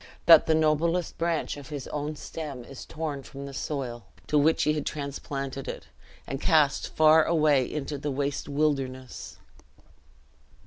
that the noblest branch of his own stem is torn from the soil to which he had transplanted it, and cast far away into the waste wilderness!"